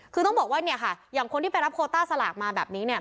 คือต้องบอกว่าอย่างคนที่ไปรับโคต้าสลากมาแบบนี้